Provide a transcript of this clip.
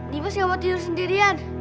dimas tidak mau tidur sendirian